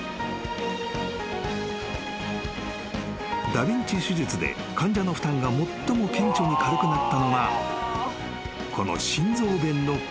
［ダビンチ手術で患者の負担が最も顕著に軽くなったのがこの］